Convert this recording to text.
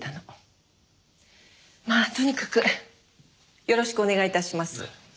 まあとにかくよろしくお願い致します。